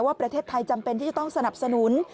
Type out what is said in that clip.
ประเทศไทยจำเป็นที่จะต้องสนับสนุน